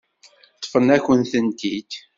Ṭṭfen-akent-tent-id.